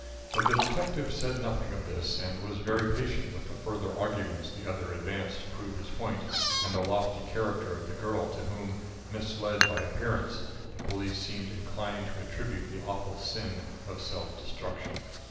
But the detective said nothing of this, and was very patient with the further arguments the other advanced to prove his point and the lofty character of the girl to whom, misled by appearance, the police seemed inclined to attribute the awful sin of self destruction.